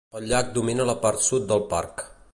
El llac domina la part sud del parc.